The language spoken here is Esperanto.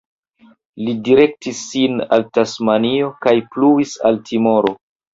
Li direktis sin al Tasmanio kaj pluis al Timoro.